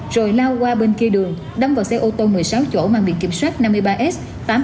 rồi lao qua bên kia đường đâm vào xe ô tô một mươi sáu chỗ mà bị kiểm soát năm mươi ba s tám nghìn hai trăm tám mươi ba